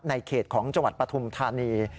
ในเขตของจังหวัดปฐุมธานี